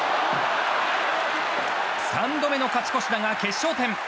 ３度目の勝ち越し打が決勝点！